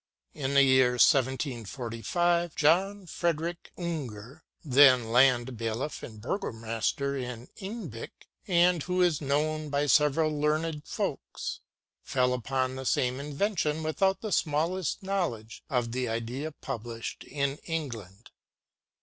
In the year 1745, John Frederic Unger, then land bailiff and burgomaster of Einbec, and who is known by several learned works, fell upon the same invention without the smallest knowledge of the idea published in England.